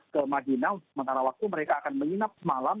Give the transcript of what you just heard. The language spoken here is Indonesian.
ke madinah sementara waktu mereka akan menginap semalam